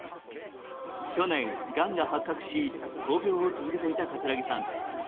去年、がんが発覚し闘病を続けていた葛城さん。